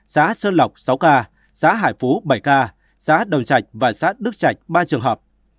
xã sơn lộc sáu ca xã hải phú bảy k xã đồng trạch và xã đức trạch ba trường hợp